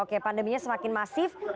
oke pandeminya semakin masif